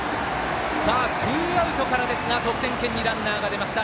ツーアウトからですが得点圏にランナーが出ました。